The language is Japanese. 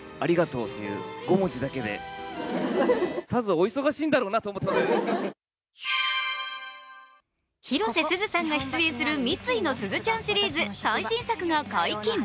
大忙しだった二宮さん、実はこの日広瀬すずさんが出演する三井のすずちゃんシリーズ最新作が解禁。